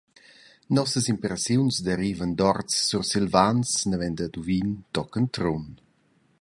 Nossas impressiuns derivan dad orts sursilvans naven da Duvin tochen Trun.